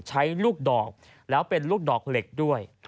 ใช้ลูกดอกแล้วเป็นลูกดอกเหล็กด้วย